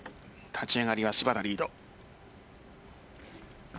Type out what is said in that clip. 立ち上がりは芝田リード。